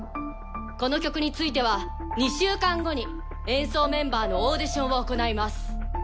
この曲については２週間後に演奏メンバーのオーディションを行います。